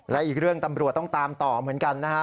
และอีกเรื่องตำรวจต้องตามต่อเหมือนกันนะครับ